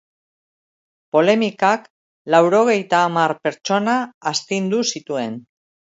Polemikak laurogeita hamar pertsona astindu zituen.